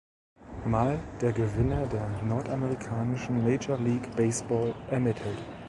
Mal der Gewinner der nordamerikanischen Major League Baseball ermittelt.